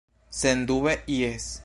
Sendube jes.